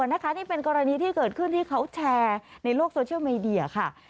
นี่เป็นกรณีที่เกิดขึ้นที่เขาแชร์ในโลกโซเชียลมีเดียค่ะ